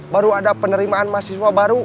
baru ada penerimaan mahasiswa baru